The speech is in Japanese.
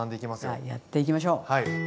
じゃあやっていきましょう。